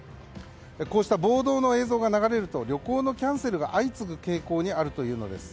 こうした暴動の映像が流れると旅行のキャンセルが相次ぐ傾向にあるということです。